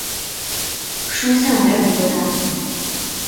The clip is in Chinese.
叔向没有理会他。